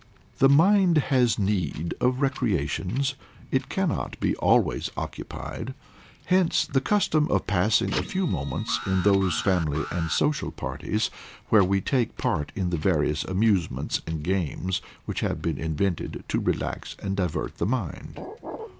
The mind has need of recreations; it cannot be always occupied. Hence the custom of passing a few moments in those family and social parties, where we take part in the various amusements and games which have been invented to relax and divert the mind.